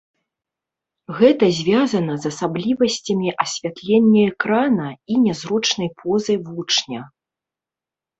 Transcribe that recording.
Гэта звязана з асаблівасцямі асвятлення экрана і нязручнай позай вучня.